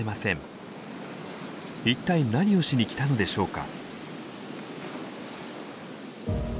一体何をしに来たのでしょうか？